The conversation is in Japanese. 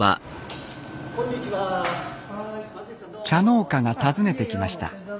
茶農家が訪ねてきました